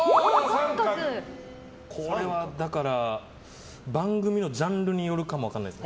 これは、番組のジャンルによるかも分からないです。